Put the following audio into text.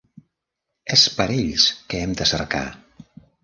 És per ells que hem de cercar.